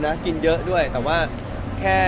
อ๋อน้องมีหลายคน